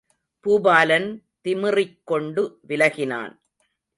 பூபாலன் திமிறிக் கொண்டு விலகினான்.